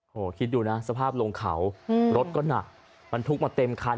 คิดดูนะสภาพลงเขารถก็หนักบรรทุกมาเต็มคัน